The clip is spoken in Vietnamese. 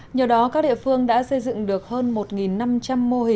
nhờ đó các địa phương đã xây dựng được hơn một năm trăm linh mô hình